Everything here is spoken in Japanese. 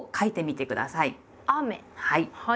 はい。